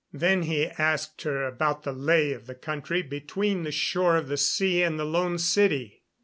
Then he asked her about the lay of the country between the shore of the sea and the Lone City.